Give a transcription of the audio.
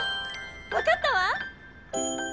わかったわ！